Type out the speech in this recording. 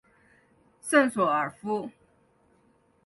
圣索尔夫。